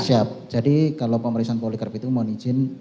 siap jadi kalau pemeriksaan poligraf itu mohon izin